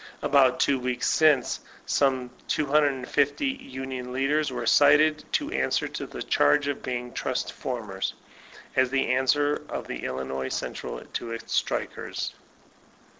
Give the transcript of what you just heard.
About two weeks since, some 250 union leaders were cited to answer to the charge of being trust formers, as the answer of the Illinois Central to its strikers.